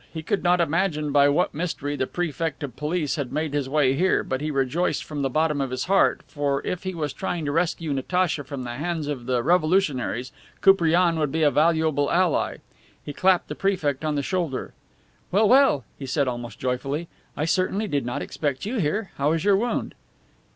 He could not imagine by what mystery the Prefect of Police had made his way there, but he rejoiced from the bottom of his heart, for if he was trying to rescue Natacha from the hands of the revolutionaries Koupriane would be a valuable ally. He clapped the Prefect on the shoulder. "Well, well!" he said, almost joyfully. "I certainly did not expect you here. How is your wound?"